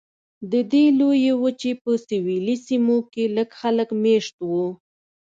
د دې لویې وچې په سویلي سیمو کې لږ خلک مېشت وو.